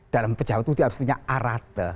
dalam pejabat itu dia harus punya arate